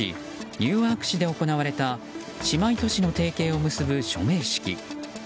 ニューアーク市で行われた姉妹都市の提携を結ぶ署名式。